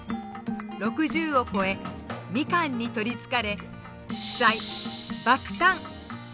６０を越えみかんに取りつかれ鬼才爆誕！